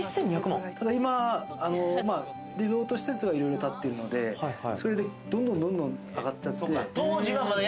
今、リゾート施設がいろいろ建ってるのでどんどん上がっちゃって。